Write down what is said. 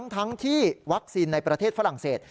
ทั้งที่วัคซีนในประเทศฝรั่งเศส